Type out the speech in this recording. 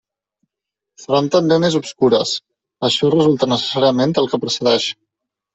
Seran també més obscures; això resulta necessàriament del que precedeix.